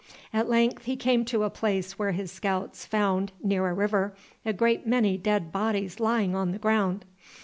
At length he came to a place where his scouts found, near a river, a great many dead bodies lying on the ground.